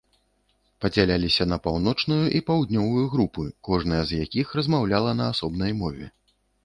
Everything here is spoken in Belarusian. Падзяляліся на паўночную і паўднёвую групы, кожная з якіх размаўляла на асобнай мове.